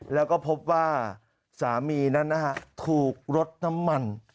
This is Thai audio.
แล้วก็พบว่าสามีนั้นนะฮะถูกรถน้ำมัน